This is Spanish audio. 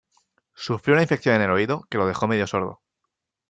Sufrió una infección en el oído que lo dejó medio sordo.